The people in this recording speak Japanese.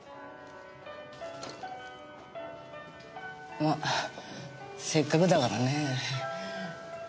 ませっかくだからねぇ。